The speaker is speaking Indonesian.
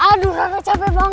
aduh rara capek banget